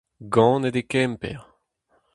Ganet e Kemper.